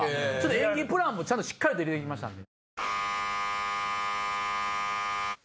演技プランもしっかりと入れて来ましたんで。